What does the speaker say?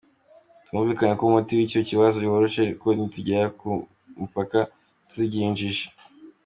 Twumvikanye ko umuti w’icyo kibazo woroshye ko nitugera ku mupaka tuzigira injiji.